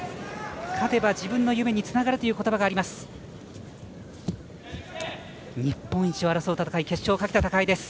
勝てば自分の夢につながるということばがあります。